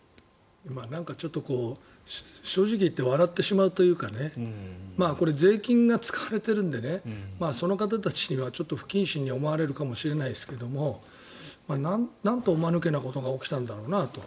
なんか、ちょっと正直言って笑ってしまうというかこれ、税金が使われているんでその方たちにはちょっと不謹慎に思われるかもしれないですがなんと間抜けなことが起きたんだろうなと。